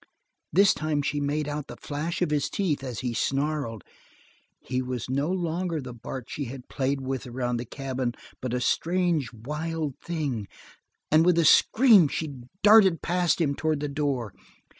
This time she made out the flash of his teeth as he snarled. He was no longer the Bart she had played with around the cabin, but a strange wild thing, and with a scream she darted past him toward the door.